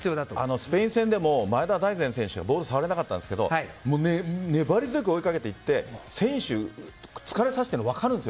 スペイン戦でも前田大然選手ボール、触れませんでしたが粘り強く追いかけていって選手を疲れさせているのが分かります。